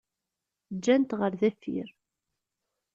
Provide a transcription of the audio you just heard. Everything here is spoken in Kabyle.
Ǧǧan-t ɣer deffir.